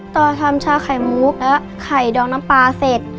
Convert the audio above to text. ต่อทำชาไข่มุกและไข่ดองน้ำปลาเสร็จ